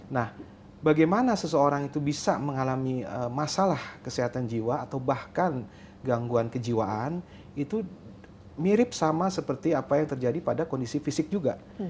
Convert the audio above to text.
nah bagaimana seseorang itu bisa mengalami masalah kesehatan jiwa atau bahkan gangguan kejiwaan itu mirip sama seperti apa yang terjadi pada kondisi fisik juga